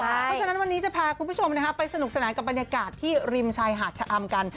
เพราะฉะนั้นวันนี้จะพาคุณผู้ชมไปสนุกสนานกับบรรยากาศที่ริมชายหาดชะอำกัน